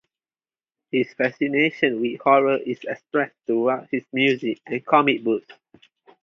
His fascination with horror is expressed through his music and comic books.